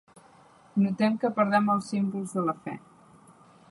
Notem que perdem els símbols de la fe.